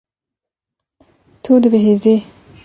Tu dibihîzî.